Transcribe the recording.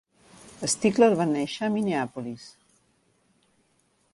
Stigler va néixer a Minneapolis.